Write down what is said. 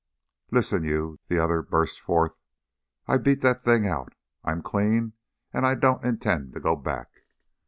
"Listen, you!" the other burst forth. "I beat that thing out. I'm clean and I don't intend to go back.